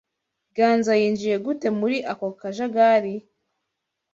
Ganza yinjiye gute muri ako kajagari?